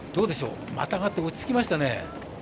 またがって、落ち着きましたね。